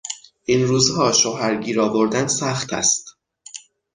این روزها شوهر گیر آوردن سخت است.